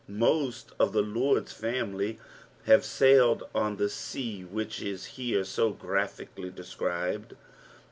Most t^ the Zor^s family have sailed on the sea which is here so graphically described.